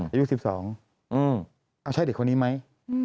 อายุ๑๒เอาใช่เด็กคนนี้ไหม